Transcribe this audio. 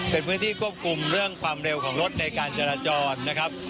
เป็นพื้นที่ควบคุมเรื่องความเร็วของรถในการจราจรนะครับ